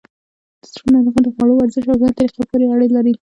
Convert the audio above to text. د زړه ناروغۍ د خوړو، ورزش، او ژوند طریقه پورې اړه لري.